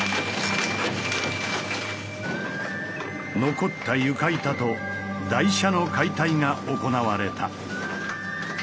残った床板と台車の解体が行われた。